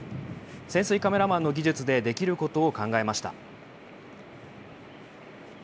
潜水カメラマンの技術でできることを考えました。